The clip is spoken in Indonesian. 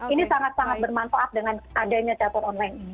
ini sangat sangat bermanfaat dengan adanya catur online ini